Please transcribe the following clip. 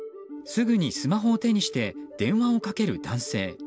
すぐにスマホを手にして電話をかける男性。